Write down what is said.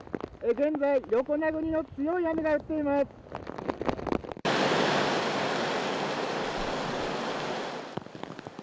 現在、横殴りの強い雨が降っています。